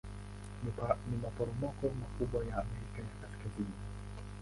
Ni maporomoko makubwa ya Amerika ya Kaskazini.